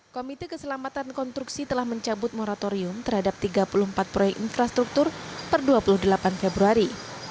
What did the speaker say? komite keselamatan konstruksi telah mencabut moratorium terhadap tiga puluh empat proyek infrastruktur per dua puluh delapan februari